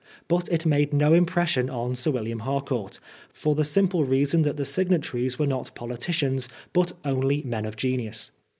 But it made no impression on Sir William Harconrt, for the simple reason that the signatories were not politi cians, but only men of genius.